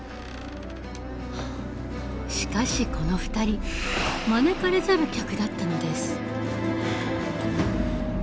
しかしこの２人招かれざる客だったのです。